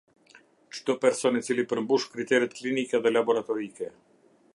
Çdo person i cili përmbush kriteret klinike dhe laboratorike.